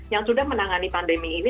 yang sudah menangani pandemi ini